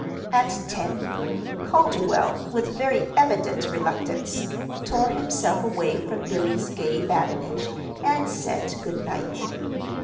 At ten, Calderwell, with very evident reluctance, tore himself away from Billy's gay badinage, and said good night.